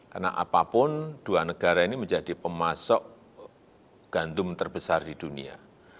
karena apapun dua negara ini menjadi pemasok gantum terbesar di dunia